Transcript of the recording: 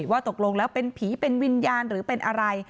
ว่าตกลงแล้วเป็นผีเป็นวิญญาณหรือเป็นอะไร